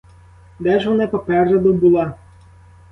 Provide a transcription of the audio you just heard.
Де ж вона попереду була?